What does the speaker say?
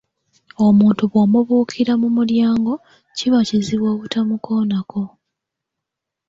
Omuntu bw'omubuukira mu mulyango, kiba kizibu obutamukoonako.